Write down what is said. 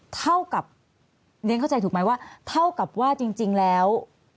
เท่ากับเรียนเข้าใจถูกไหมว่าเท่ากับว่าจริงแล้ว